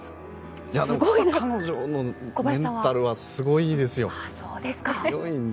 彼女のメンタルはすごいですよ。